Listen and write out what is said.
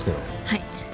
はい。